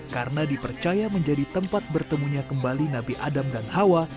karena dipercaya menjadi tempat bertemunya kembali nabi adam dan hawa